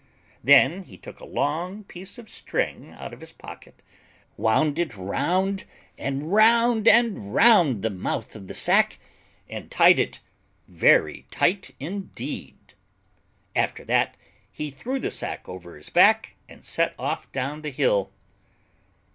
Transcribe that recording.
Then he took a long piece of string out of his pocket, wound it round and round and round the mouth of the sack, and tied it very tight indeed. After that he threw the sack over his back and set off down the hill.